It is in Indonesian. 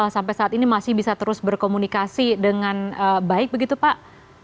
sampai saat ini masih bisa terus berkomunikasi dengan baik begitu pak